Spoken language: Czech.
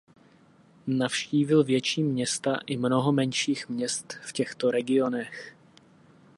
Navštívil větší města i mnoho menších měst v těchto regionech.